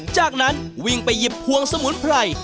จากนั้นวิ่งไปหยิบพวงสมุนไพร